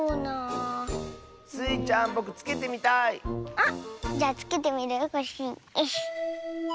あっじゃつけてみるねコッシー。